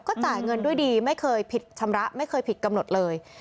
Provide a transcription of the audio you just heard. ก็จ่ายเงินด้วยดีไม่เคยผิดชำระไม่เคยผิดกำหนดเลย